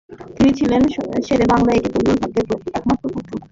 তিনি ছিলেন শেরে বাংলা একে ফজলুল হকের একমাত্র পুত্র।